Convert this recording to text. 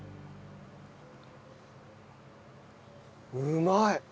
うまい！